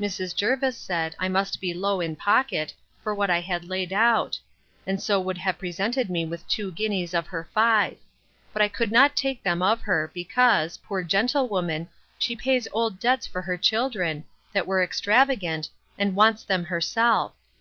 Mrs. Jervis said, I must be low in pocket, for what I had laid out; and so would have presented me with two guineas of her five; but I could not take them of her, because, poor gentlewoman, she pays old debts for her children, that were extravagant, and wants them herself.